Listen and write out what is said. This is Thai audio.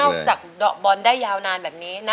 ออกจากบอลได้ยาวนานแบบนี้นะ